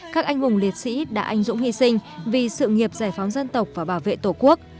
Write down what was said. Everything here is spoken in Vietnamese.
các anh hùng liệt sĩ đã anh dũng hy sinh vì sự nghiệp giải phóng dân tộc và bảo vệ tổ quốc